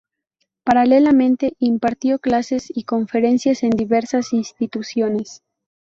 Paralelamente, impartió clases y conferencias en diversas instituciones.